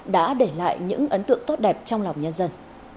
đã để lại những ấn tượng tốt đẹp trong lòng nhân dân